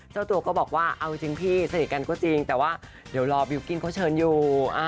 เจ้าตัวก็บอกว่าเอาจริงพี่สนิทกันก็จริงแต่ว่าเดี๋ยวรอบิวกิ้นเขาเชิญอยู่